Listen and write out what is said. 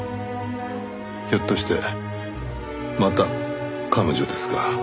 ひょっとしてまた彼女ですか？